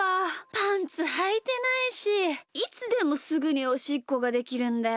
パンツはいてないしいつでもすぐにおしっこができるんだよなあ。